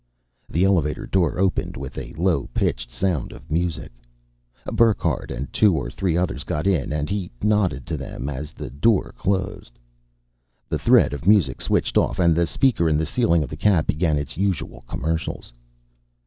The elevator door opened with a low pitched sound of music. Burckhardt and two or three others got in and he nodded to them as the door closed. The thread of music switched off and the speaker in the ceiling of the cab began its usual commercials.